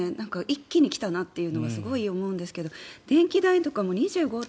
一気に来たなというのはすごく思うんですが電気代とかも２５．８％。